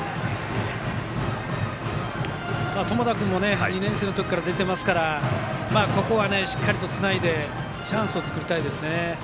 友田君も２年生のときから出ていますからここは、しっかりつないでチャンスを作りたいですね。